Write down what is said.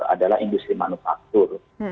adalah industri manufaktur